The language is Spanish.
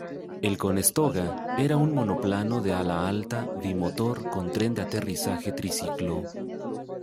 El "Conestoga" era un monoplano de ala alta bimotor con tren de aterrizaje triciclo.